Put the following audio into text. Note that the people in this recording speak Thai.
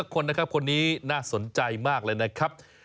เพื่อนนี้น่าสนใจมากเลยนะครับ